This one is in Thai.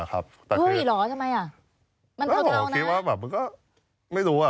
อ๋อคิดว่าไม่รู้